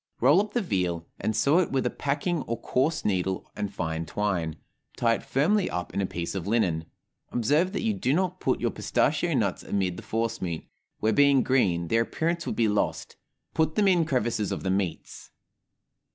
Roll up the veal, and sew it with a packing or coarse needle and fine twine, tie it firmly up in a piece of linen. Observe that you do not put your pistachio nuts amid the force meat, where, being green, their appearance would be lost; put them in crevices of the meats.